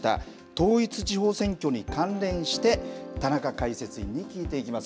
統一地方選挙に関連して田中解説委員に聞いていきます